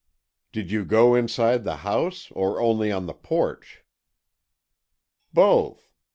"Did you go inside the house or only on the porch?" "Both.